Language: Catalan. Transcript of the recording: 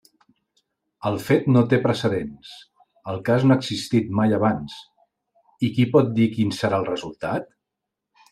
El fet no té precedents; el cas no ha existit mai abans; i ¿qui pot dir quin serà el resultat?